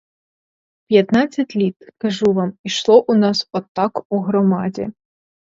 П'ятнадцять літ, кажу вам, ішло у нас отак у громаді.